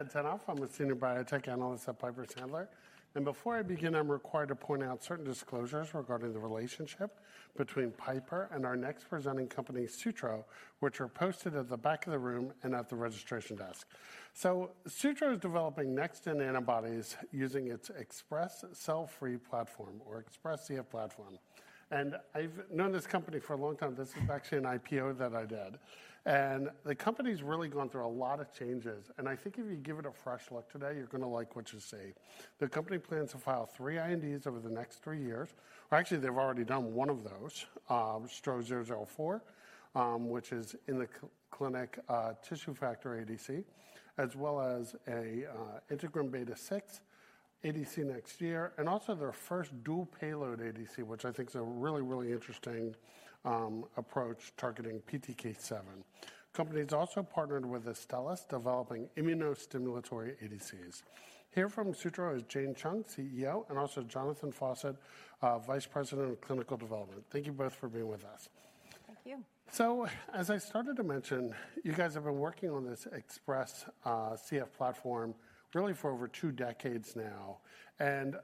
Ted Tenthoff, I'm a Senior Biotech Analyst at Piper Sandler. Before I begin, I'm required to point out certain disclosures regarding the relationship between Piper and our next presenting company, Sutro, which are posted at the back of the room and at the registration desk. Sutro is developing next-gen antibodies using its XpressCF cell-free platform, or XpressCF platform. I've known this company for a long time. This is actually an IPO that I did. The company's really gone through a lot of changes. I think if you give it a fresh look today, you're going to like what you see. The company plans to file three INDs over the next three years. Or actually, they've already done one of those, STRO-004, which is in the clinic, tissue factor ADC, as well as an integrin beta-6 ADC next year, and also their first dual payload ADC, which I think is a really, really interesting approach targeting PTK7. The company's also partnered with Astellas, developing immunostimulatory ADCs. Here from Sutro is Jane Chung, CEO, and also Jonathan Fawcett, Vice President of Clinical Development. Thank you both for being with us. Thank you. So as I started to mention, you guys have been working on this XpressCF platform really for over two decades now, and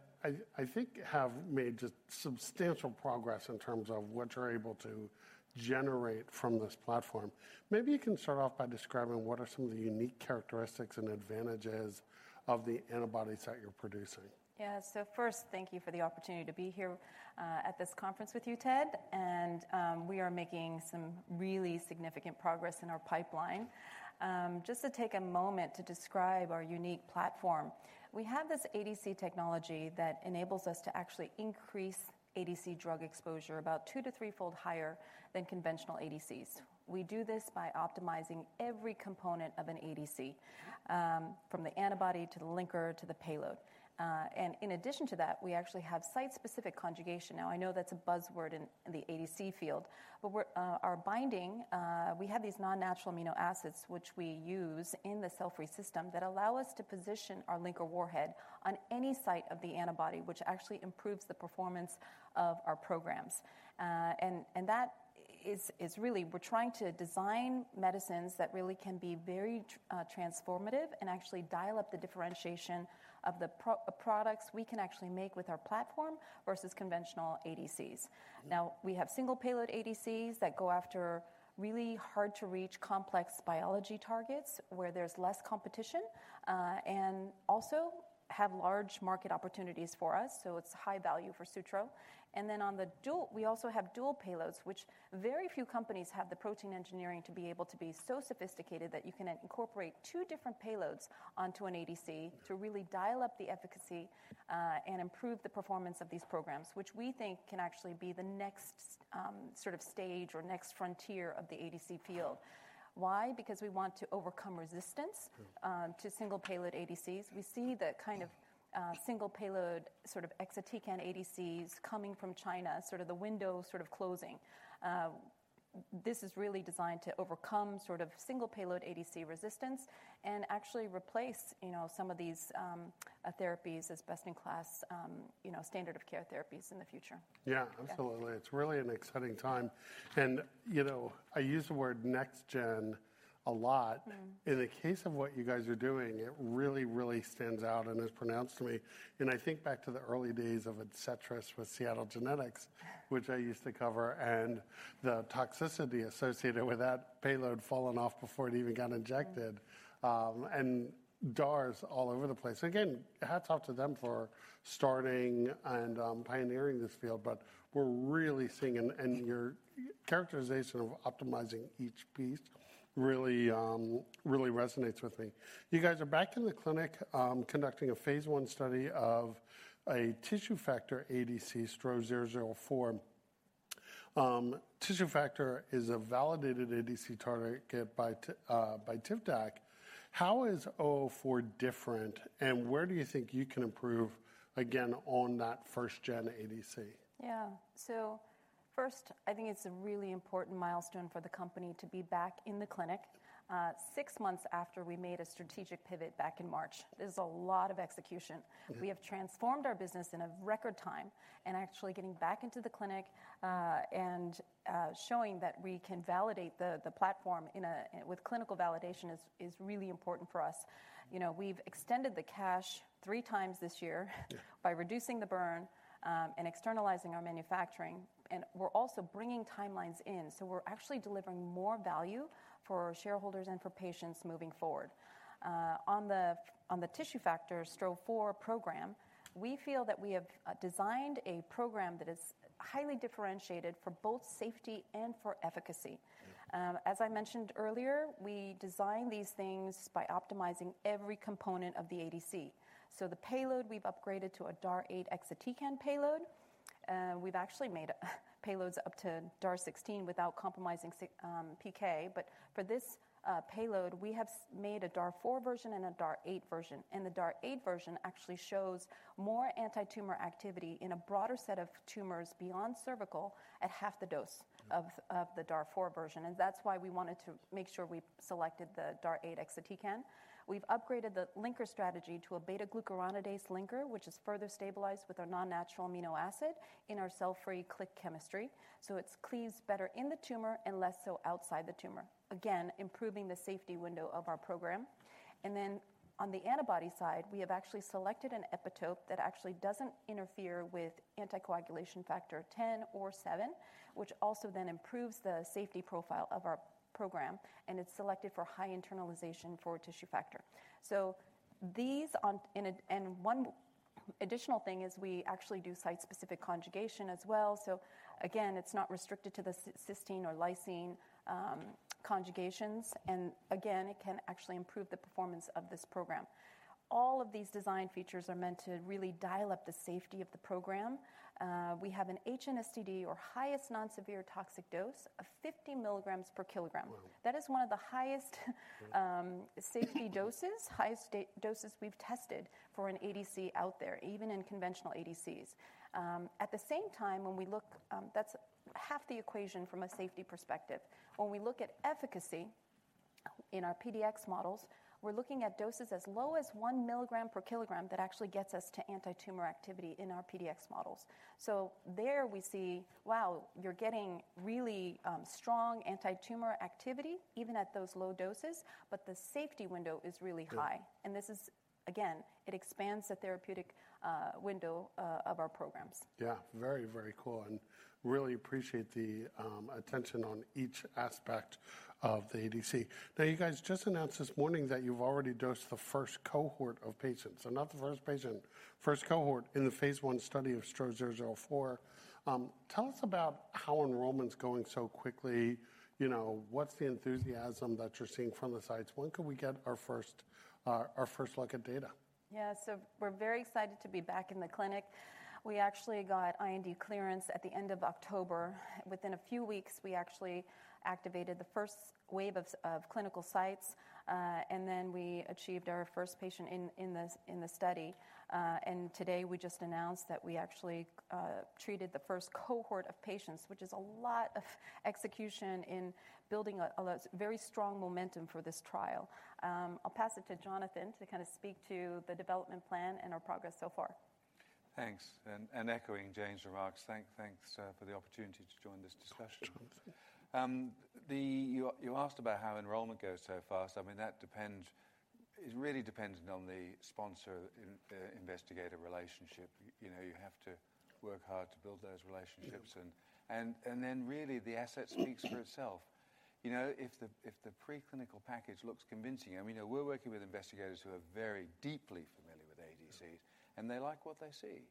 I think have made just substantial progress in terms of what you're able to generate from this platform. Maybe you can start off by describing what are some of the unique characteristics and advantages of the antibodies that you're producing? Yeah. So first, thank you for the opportunity to be here at this conference with you, Ted. And we are making some really significant progress in our pipeline. Just to take a moment to describe our unique platform, we have this ADC technology that enables us to actually increase ADC drug exposure about two to three-fold higher than conventional ADCs. We do this by optimizing every component of an ADC, from the antibody to the linker to the payload. And in addition to that, we actually have site-specific conjugation. Now, I know that's a buzzword in the ADC field, but our binding, we have these non-natural amino acids, which we use in the cell-free system that allow us to position our linker warhead on any site of the antibody, which actually improves the performance of our programs. And that is really. We're trying to design medicines that really can be very transformative and actually dial up the differentiation of the products we can actually make with our platform versus conventional ADCs. Now, we have single payload ADCs that go after really hard-to-reach complex biology targets where there's less competition and also have large market opportunities for us. So it's high value for Sutro. And then on the dual, we also have dual payloads, which very few companies have the protein engineering to be able to be so sophisticated that you can incorporate two different payloads onto an ADC to really dial up the efficacy and improve the performance of these programs, which we think can actually be the next sort of stage or next frontier of the ADC field. Why? Because we want to overcome resistance to single payload ADCs. We see the kind of single payload sort of exotic ADCs coming from China, sort of the window sort of closing. This is really designed to overcome sort of single payload ADC resistance and actually replace some of these therapies as best-in-class standard of care therapies in the future. Yeah, absolutely. It's really an exciting time. And I use the word next-gen a lot. In the case of what you guys are doing, it really, really stands out and is pronounced to me. And I think back to the early days of ADCETRIS with Seattle Genetics, which I used to cover, and the toxicity associated with that payload falling off before it even got injected and DARs all over the place. Again, hats off to them for starting and pioneering this field. But we're really seeing, and your characterization of optimizing each piece really resonates with me. You guys are back in the clinic conducting a phase I study of a tissue factor ADC, STRO-004. Tissue factor is a validated ADC target by Tivdak. How is STRO-004 different? And where do you think you can improve, again, on that first-gen ADC? Yeah. So first, I think it's a really important milestone for the company to be back in the clinic six months after we made a strategic pivot back in March. This is a lot of execution. We have transformed our business in a record time. And actually getting back into the clinic and showing that we can validate the platform with clinical validation is really important for us. We've extended the cash three times this year by reducing the burn and externalizing our manufacturing. And we're also bringing timelines in. So we're actually delivering more value for our shareholders and for patients moving forward. On the tissue factor STRO-004 program, we feel that we have designed a program that is highly differentiated for both safety and for efficacy. As I mentioned earlier, we design these things by optimizing every component of the ADC. So the payload we've upgraded to a DAR8 Exatecan payload. We've actually made payloads up to DAR16 without compromising PK. But for this payload, we have made a DAR4 version and a DAR8 version. And the DAR8 version actually shows more anti-tumor activity in a broader set of tumors beyond cervical at half the dose of the DAR4 version. And that's why we wanted to make sure we selected the DAR8 Exatecan. We've upgraded the linker strategy to a beta-glucuronidase linker, which is further stabilized with our non-natural amino acid in our cell-free click chemistry. So it cleaves better in the tumor and less so outside the tumor, again, improving the safety window of our program. And then on the antibody side, we have actually selected an epitope that actually doesn't interfere with anticoagulation factor X or VII, which also then improves the safety profile of our program. And it's selected for high internalization for tissue factor. So these and one additional thing is we actually do site-specific conjugation as well. So again, it's not restricted to the cysteine or lysine conjugations. And again, it can actually improve the performance of this program. All of these design features are meant to really dial up the safety of the program. We have an HNSTD, or highest non-severely toxic dose, of 50 mg/kg. That is one of the highest safety doses, highest doses we've tested for an ADC out there, even in conventional ADCs. At the same time, when we look, that's half the equation from a safety perspective. When we look at efficacy in our PDX models, we're looking at doses as low as one milligram per kilogram that actually gets us to anti-tumor activity in our PDX models. So there we see, wow, you're getting really strong anti-tumor activity even at those low doses, but the safety window is really high. And this is, again, it expands the therapeutic window of our programs. Yeah, very, very cool. And really appreciate the attention on each aspect of the ADC. Now, you guys just announced this morning that you've already dosed the first cohort of patients. So not the first patient, first cohort in the phase one study of STRO-004. Tell us about how enrollment's going so quickly. What's the enthusiasm that you're seeing from the sites? When could we get our first look at data? Yeah. So we're very excited to be back in the clinic. We actually got IND clearance at the end of October. Within a few weeks, we actually activated the first wave of clinical sites. And then we achieved our first patient in the study. And today we just announced that we actually treated the first cohort of patients, which is a lot of execution in building a very strong momentum for this trial. I'll pass it to Jonathan to kind of speak to the development plan and our progress so far. Thanks. And echoing Jane Chung, thanks for the opportunity to join this discussion. You asked about how enrollment goes so fast. I mean, that depends, it really depends on the sponsor-investigator relationship. You have to work hard to build those relationships. And then really the asset speaks for itself. If the preclinical package looks convincing, I mean, we're working with investigators who are very deeply familiar with ADCs, and they like what they see.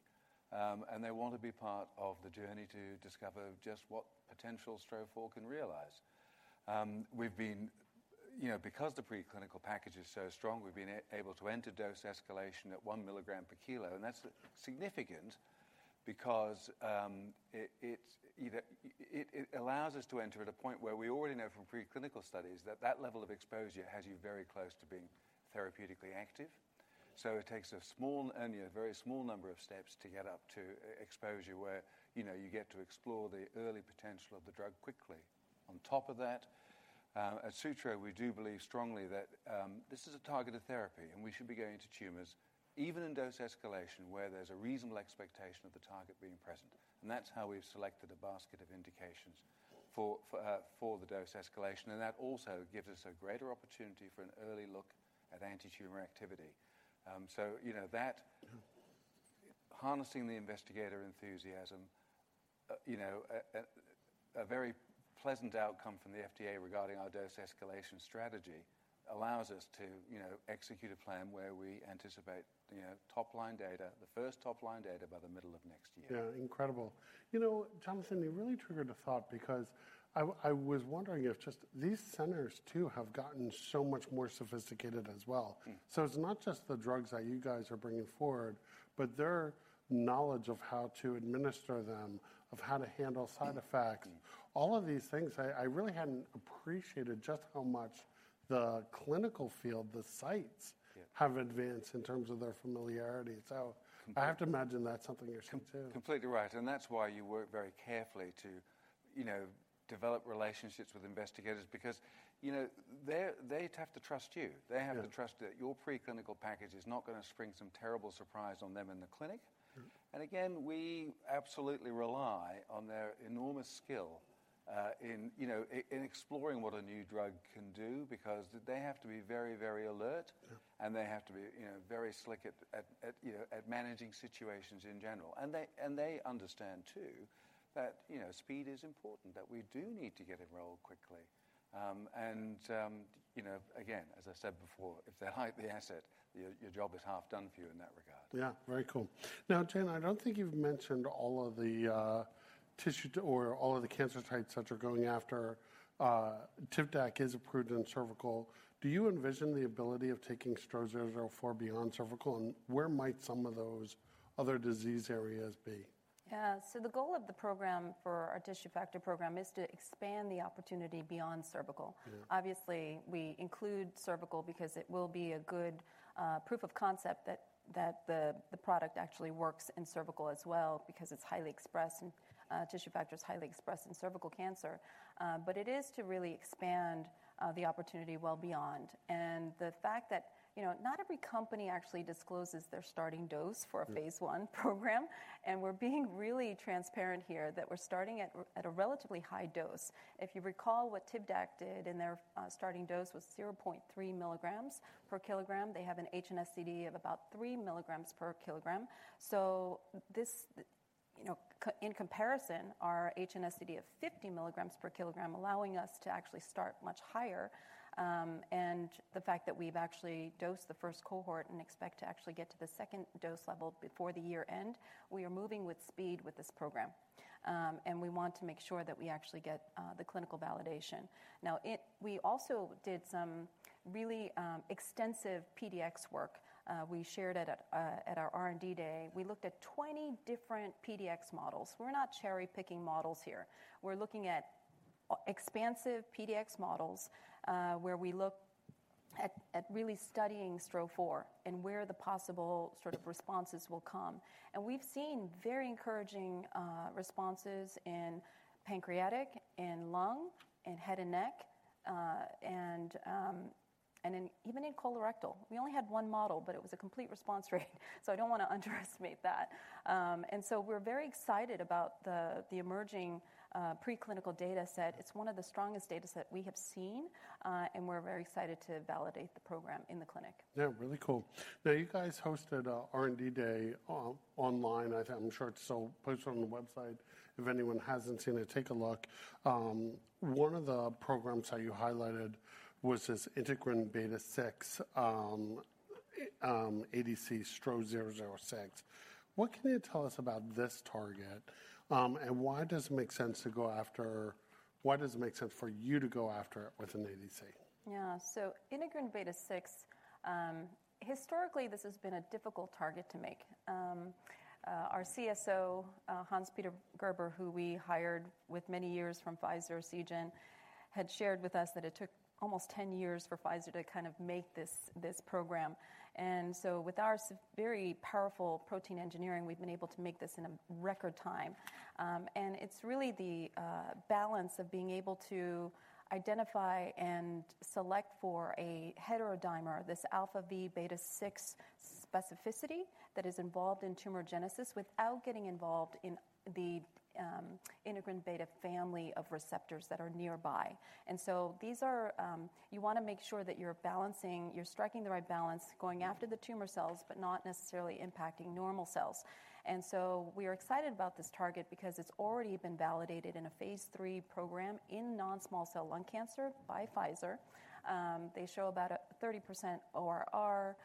And they want to be part of the journey to discover just what potential STRO-004 can realize. Because the preclinical package is so strong, we've been able to enter dose escalation at one milligram per kilo. And that's significant because it allows us to enter at a point where we already know from preclinical studies that that level of exposure has you very close to being therapeutically active. It takes a very small number of steps to get up to exposure where you get to explore the early potential of the drug quickly. On top of that, at Sutro, we do believe strongly that this is a targeted therapy, and we should be going to tumors even in dose escalation where there's a reasonable expectation of the target being present. And that also gives us a greater opportunity for an early look at anti-tumor activity. So harnessing the investigator enthusiasm, a very pleasant outcome from the FDA regarding our dose escalation strategy allows us to execute a plan where we anticipate top-line data, the first top-line data by the middle of next year. Yeah, incredible. You know, Jonathan, it really triggered a thought because I was wondering if just these centers too have gotten so much more sophisticated as well. So it's not just the drugs that you guys are bringing forward, but their knowledge of how to administer them, of how to handle side effects, all of these things. I really hadn't appreciated just how much the clinical field, the sites have advanced in terms of their familiarity. So I have to imagine that's something you're seeing too. Completely right. And that's why you work very carefully to develop relationships with investigators, because they have to trust you. They have to trust that your preclinical package is not going to spring some terrible surprise on them in the clinic. And again, we absolutely rely on their enormous skill in exploring what a new drug can do because they have to be very, very alert, and they have to be very slick at managing situations in general. And they understand too that speed is important, that we do need to get enrolled quickly. And again, as I said before, if they hike the asset, your job is half done for you in that regard. Yeah, very cool. Now, Jane, I don't think you've mentioned all of the cancer types that you're going after. Tivdak is approved in cervical. Do you envision the ability of taking STRO-004 beyond cervical? And where might some of those other disease areas be? Yeah. So the goal of the program for our tissue factor program is to expand the opportunity beyond cervical. Obviously, we include cervical because it will be a good proof of concept that the product actually works in cervical as well because it's highly expressed, and tissue factor is highly expressed in cervical cancer. But it is to really expand the opportunity well beyond. And the fact that not every company actually discloses their starting dose for a phase one program. And we're being really transparent here that we're starting at a relatively high dose. If you recall what Tivdak did, and their starting dose was 0.3 mg/kg. They have an HNSTD of about 3mg/kg. So in comparison, our HNSTD of 50mg/kg allowing us to actually start much higher. The fact that we've actually dosed the first cohort and expect to actually get to the second dose level before the year end, we are moving with speed with this program. We want to make sure that we actually get the clinical validation. Now, we also did some really extensive PDX work. We shared it at our R&D day. We looked at 20 different PDX models. We're not cherry-picking models here. We're looking at extensive PDX models where we look at really studying STRO-004 and where the possible sort of responses will come. We've seen very encouraging responses in pancreatic, in lung, in head and neck, and even in colorectal. We only had one model, but it was a complete response rate. So I don't want to underestimate that. We're very excited about the emerging preclinical data set.It's one of the strongest data sets we have seen, and we're very excited to validate the program in the clinic. Yeah, really cool. Now, you guys hosted R&D day online. I'm sure it's posted on the website. If anyone hasn't seen it, take a look. One of the programs that you highlighted was this integrin beta-6 ADC, STRO-006. What can you tell us about this target? And why does it make sense to go after? Why does it make sense for you to go after it with an ADC? Yeah. So integrin beta-6, historically, this has been a difficult target to make. Our CSO, Hans-Peter Gerber, who we hired with many years from Pfizer and Seagen, had shared with us that it took almost 10 years for Pfizer to kind of make this program. And so with our very powerful protein engineering, we've been able to make this in a record time. And it's really the balance of being able to identify and select for a heterodimer, this alpha-v beta-6 specificity that is involved in tumorigenesis without getting involved in the integrin beta family of receptors that are nearby. And so you want to make sure that you're striking the right balance going after the tumor cells, but not necessarily impacting normal cells. And so we are excited about this target because it's already been validated in a phase three program in non-small cell lung cancer by Pfizer. They show about a 30% ORR.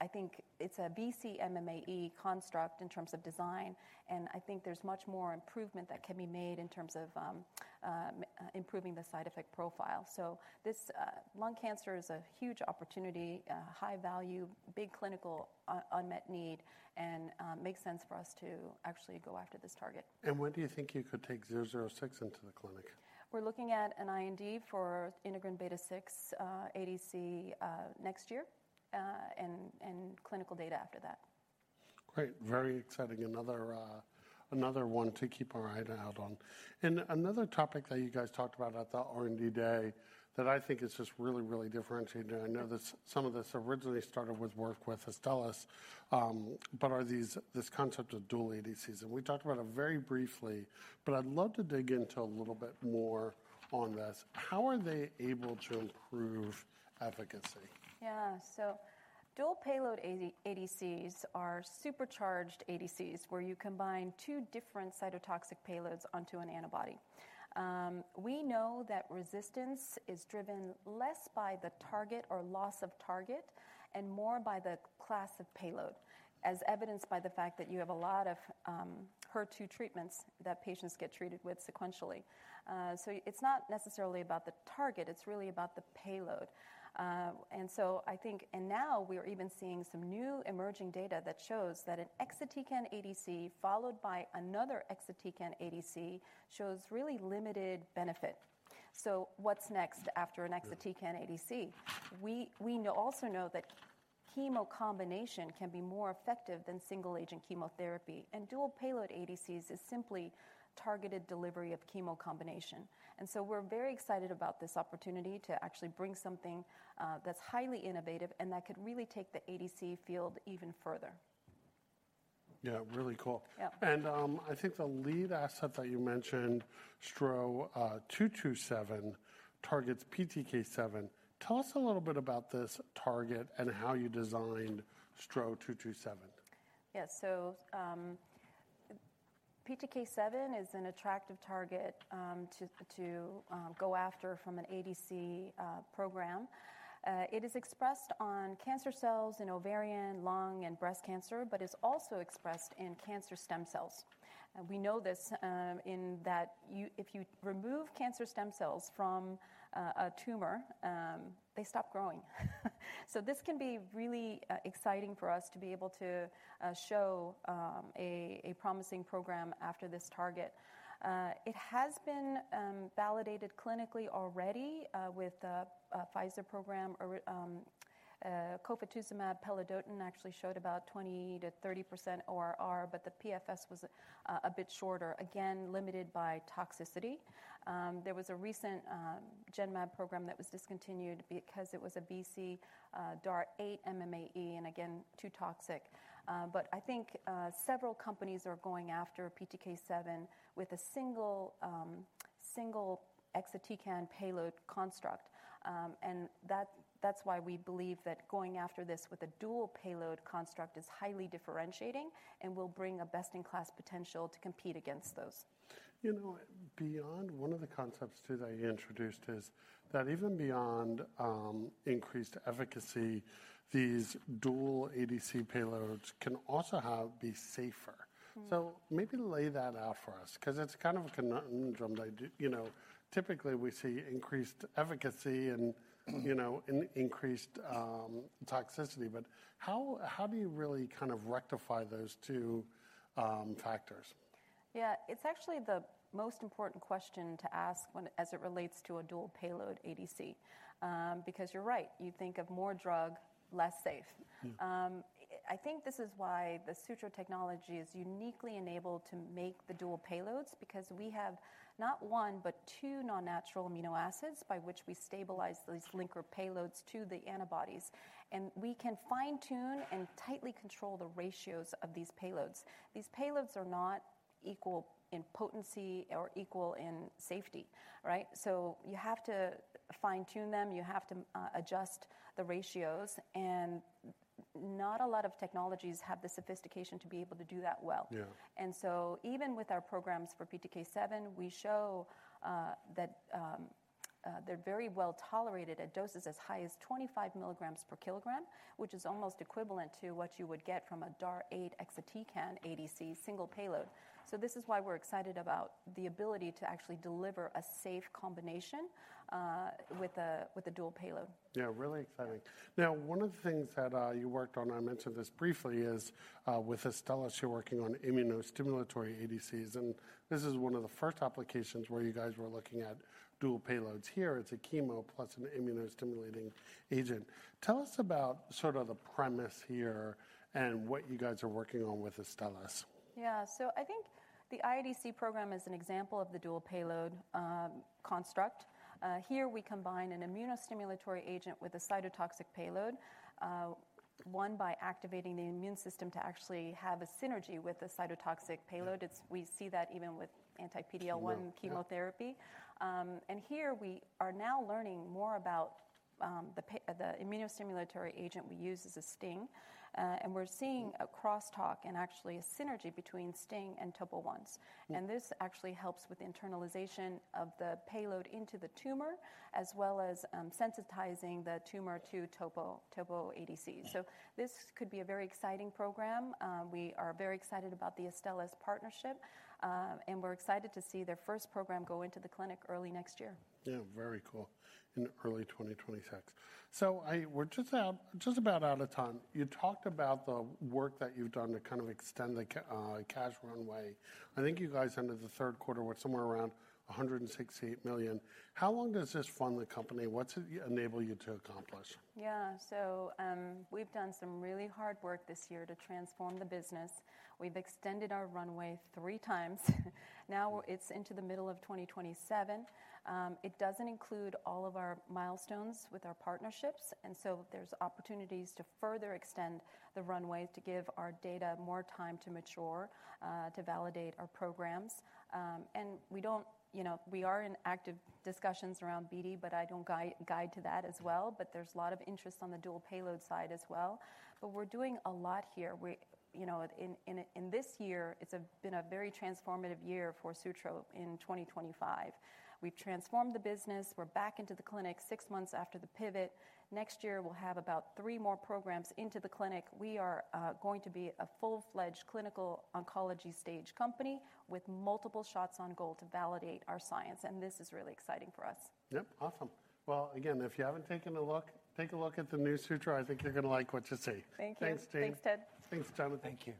I think it's a VC-MMAE construct in terms of design. I think there's much more improvement that can be made in terms of improving the side effect profile. This lung cancer is a huge opportunity, high value, big clinical unmet need, and makes sense for us to actually go after this target. When do you think you could take 006 into the clinic? We're looking at an IND for Integrin beta-6 ADC next year and clinical data after that. Great. Very exciting. Another one to keep our eye out on, and another topic that you guys talked about at the R&D day that I think is just really, really differentiated. I know that some of this originally started with work with Astellas, but this concept of dual ADCs, and we talked about it very briefly, but I'd love to dig into a little bit more on this. How are they able to improve efficacy? Yeah. So dual payload ADCs are supercharged ADCs where you combine two different cytotoxic payloads onto an antibody. We know that resistance is driven less by the target or loss of target and more by the class of payload, as evidenced by the fact that you have a lot of HER2 treatments that patients get treated with sequentially. So it's not necessarily about the target. It's really about the payload. And so I think, and now we are even seeing some new emerging data that shows that an Exatecan ADC followed by another Exatecan ADC shows really limited benefit. So what's next after an Exatecan ADC? We also know that chemo combination can be more effective than single-agent chemotherapy. And dual payload ADCs is simply targeted delivery of chemo combination. And so we're very excited about this opportunity to actually bring something that's highly innovative and that could really take the ADC field even further. Yeah, really cool. And I think the lead asset that you mentioned, STRO-227, targets PTK7. Tell us a little bit about this target and how you designed STRO-227. Yeah. So PTK7 is an attractive target to go after from an ADC program. It is expressed on cancer cells in ovarian, lung, and breast cancer, but is also expressed in cancer stem cells. And we know this in that if you remove cancer stem cells from a tumor, they stop growing. So this can be really exciting for us to be able to show a promising program after this target. It has been validated clinically already with the Pfizer program. Cofetuzumab pelidotin actually showed about 20%-30% ORR, but the PFS was a bit shorter, again, limited by toxicity. There was a recent Genmab program that was discontinued because it was a VC DAR-8MMAE and again, too toxic. But I think several companies are going after PTK7 with a single Exatecan payload construct. That's why we believe that going after this with a dual payload construct is highly differentiating and will bring a best-in-class potential to compete against those. You know, beyond one of the concepts today introduced is that even beyond increased efficacy, these dual ADC payloads can also be safer. So maybe lay that out for us because it's kind of a conundrum. Typically, we see increased efficacy and increased toxicity. But how do you really kind of rectify those two factors? Yeah. It's actually the most important question to ask as it relates to a dual payload ADC because you're right. You think of more drug, less safe. I think this is why the Sutro technology is uniquely enabled to make the dual payloads because we have not one, but two non-natural amino acids by which we stabilize these linker payloads to the antibodies, and we can fine-tune and tightly control the ratios of these payloads. These payloads are not equal in potency or equal in safety, so you have to fine-tune them. You have to adjust the ratios, and not a lot of technologies have the sophistication to be able to do that well. And so even with our programs for PTK7, we show that they're very well tolerated at doses as high as 25mg/kg, which is almost equivalent to what you would get from a DAR-8 Exatecan ADC single payload. So this is why we're excited about the ability to actually deliver a safe combination with a dual payload. Yeah, really exciting. Now, one of the things that you worked on, I mentioned this briefly, is with Astellas, you're working on immunostimulatory ADCs. And this is one of the first applications where you guys were looking at dual payloads here. It's a chemo plus an immunostimulating agent. Tell us about sort of the premise here and what you guys are working on with Astellas. Yeah. So I think the ADC program is an example of the dual payload construct. Here, we combine an immunostimulatory agent with a cytotoxic payload, one by activating the immune system to actually have a synergy with the cytotoxic payload. We see that even with anti-PD-L1 chemotherapy, and here we are now learning more about the immunostimulatory agent we use as a STING. And we're seeing a cross-talk and actually a synergy between STING and topo 1s. And this actually helps with internalization of the payload into the tumor, as well as sensitizing the tumor to topo ADCs. So this could be a very exciting program. We are very excited about the Astellas partnership, and we're excited to see their first program go into the clinic early next year. Yeah, very cool. In early 2026. So we're just about out of time. You talked about the work that you've done to kind of extend the cash runway. I think you guys ended the third quarter with somewhere around $168 million. How long does this fund the company? What's it enable you to accomplish? Yeah, so we've done some really hard work this year to transform the business. We've extended our runway three times. Now it's into the middle of 2027. It doesn't include all of our milestones with our partnerships, and so there's opportunities to further extend the runway to give our data more time to mature, to validate our programs, and we are in active discussions around BD, but I don't guide to that as well, but there's a lot of interest on the dual payload side as well, but we're doing a lot here. In this year, it's been a very transformative year for Sutro in 2025. We've transformed the business. We're back into the clinic six months after the pivot. Next year, we'll have about three more programs into the clinic. We are going to be a full-fledged clinical oncology stage company with multiple shots on goal to validate our science, and this is really exciting for us. Yep. Awesome, well, again, if you haven't taken a look, take a look at the new Sutro. I think you're going to like what you see. Thanks, Ted. Thanks, Ted. Thanks, Jonathan. Thank you.